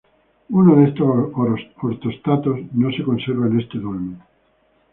Uno de estos ortostatos no se conserva en este dolmen.